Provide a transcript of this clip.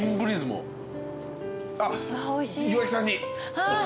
あっ岩城さんに！